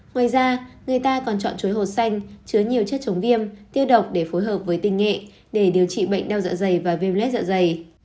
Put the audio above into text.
ngoài ra người ta còn chọn chuối hồ xanh chứa nhiều chất chống viêm tiêu độc để phối hợp với tinh nghệ để điều trị bệnh đeo dạ dày và viêm lết dạ dày